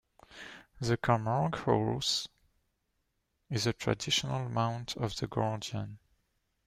The Camargue horse is the traditional mount of the gardian.